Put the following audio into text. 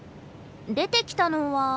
出てきたのは。